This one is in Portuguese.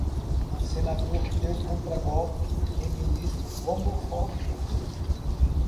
Senador deu contragolpe em ministro homofóbico